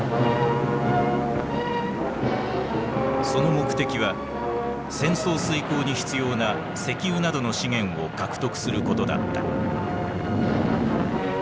その目的は戦争遂行に必要な石油などの資源を獲得することだった。